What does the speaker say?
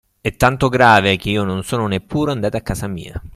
È tanto grave che io non sono neppure andato a casa mia.